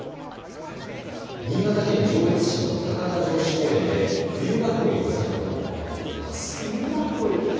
新潟県上越市の高田城址公園で冬囲いの作業が行われています。